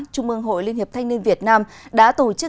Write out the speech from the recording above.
trung mương hội liên hiệp thanh niên việt nam đã tổ chức